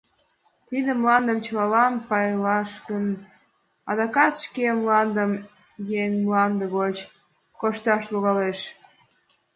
Тиде мландым чылалан пайлаш гын, адакат шке мландыш еҥ мланде гоч кошташ логалеш.